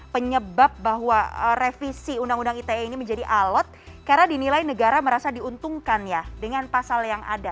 penyebab bahwa revisi undang undang ite ini menjadi alot karena dinilai negara merasa diuntungkan ya dengan pasal yang ada